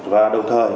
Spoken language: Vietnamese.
và đồng thời